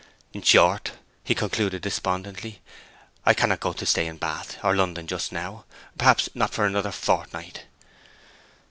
'In short,' he concluded despondently, 'I cannot go to stay in Bath or London just now; perhaps not for another fortnight!'